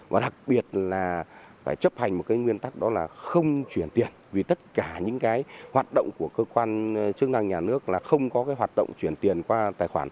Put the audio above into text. và đặc biệt là phải chấp hành một cái nguyên tắc đó là không chuyển tiền vì tất cả những cái hoạt động của cơ quan chức năng nhà nước là không có cái hoạt động chuyển tiền qua tài khoản